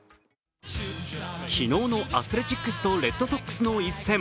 昨日のアスレチックスとレッドソックスの一戦。